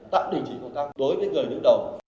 tạm định chỉ công tác đối với người đứng đầu